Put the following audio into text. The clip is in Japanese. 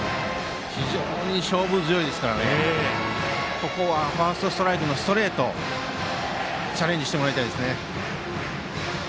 非常に勝負強いですからここはファーストストライクのストレートチャレンジしてもらいたいですね。